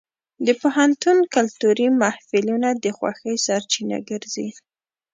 د پوهنتون کلتوري محفلونه د خوښۍ سرچینه ګرځي.